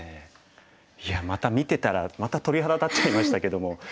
いやまた見てたらまた鳥肌立っちゃいましたけども。